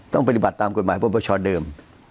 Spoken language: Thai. ต้องปฏิบัติตามกฎหมายประประชาเดิม